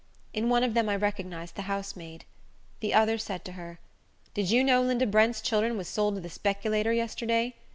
In one of them I recognized the housemaid. The other said to her, "Did you know Linda Brent's children was sold to the speculator yesterday.